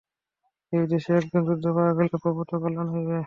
এই দেশে একজন বুদ্ধ পাওয়া গেলে প্রভূত কল্যাণ হইবে।